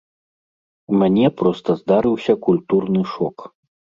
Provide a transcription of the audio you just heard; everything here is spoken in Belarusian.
У мяне проста здарыўся культурны шок.